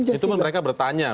itu mereka bertanya